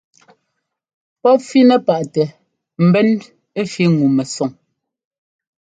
Pɔ́p fínɛ́ paʼtɛ mbɛ́n ɛ́fí ŋu mɛsɔng.